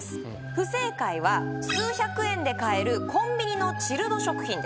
不正解は数百円で買えるコンビニのチルド食品です